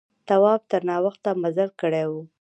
تواب تر ناوخته مزل کړی و.